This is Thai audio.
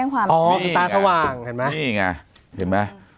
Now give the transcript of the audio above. ก็คอยเหนื่อยนะ